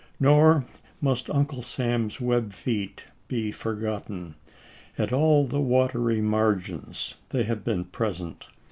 Nor must Uncle Sam's web feet be forgotten. At all the watery margins they have been present.